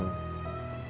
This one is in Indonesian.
bukan bahar yang